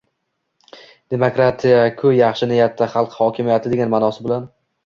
Demokratiya-ku yaxshi niyatda «xalq hokimiyati» degan ma’nosi bilan